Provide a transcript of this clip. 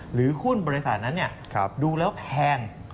หรือหุ้นบริษัทนั้นดูแล้วแพง